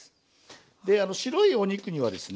で白いお肉にはですね